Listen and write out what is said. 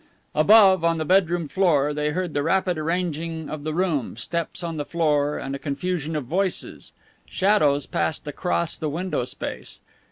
Above on the bedroom floor, they heard the rapid arranging of the room, steps on the floor and a confusion of voices; shadows passed across the window space.